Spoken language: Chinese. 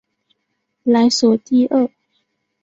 莱索蒂厄。